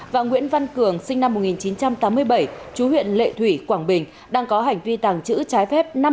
và nguyễn văn cường sinh năm một nghìn chín trăm tám mươi bảy chú huyện lệ thủy quảng bình đang có hành vi tàng trữ trái phép